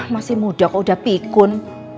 masih muda kok udah pikun